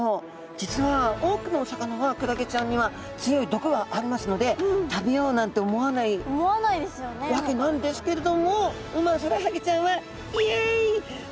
実は多くのお魚はクラゲちゃんには強い毒がありますので食べようなんて思わないわけなんですけれどもウマヅラハギちゃんは。